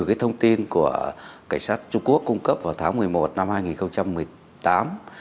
cái thông tin của cảnh sát trung quốc cung cấp vào tháng một mươi một năm hai nghìn một mươi tám